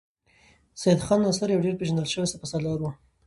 سیدال خان ناصر یو ډېر پیژندل شوی سپه سالار و.